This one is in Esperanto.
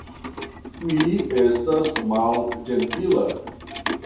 Mi estas malĝentila.